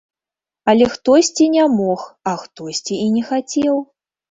Але хтосьці не мог, а хтосьці і не хацеў.